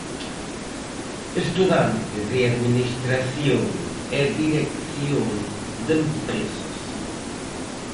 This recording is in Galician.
Estudante de Administración e Dirección de Empresas.